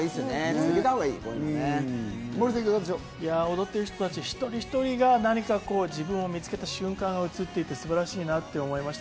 踊ってる人たち一人一人が自分を見つけた瞬間が映っていて素晴らしいなって思いました。